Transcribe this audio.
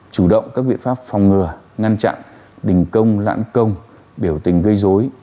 chủ động các biện pháp phòng ngừa ngăn chặn đình công lãng công biểu tình gây dối